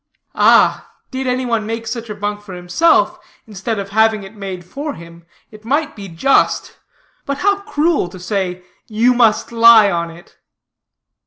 Ah, did any one make such a bunk for himself, instead of having it made for him, it might be just, but how cruel, to say, You must lie on it!